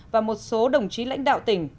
và một số đồng chí lãnh đạo tỉnh